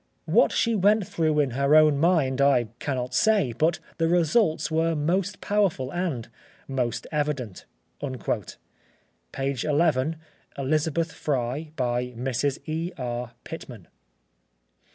What she went through in her own mind I cannot say; but the results were most powerful and most evident" (p. 11, Elizabeth Fry. By Mrs. E. R. Pitman).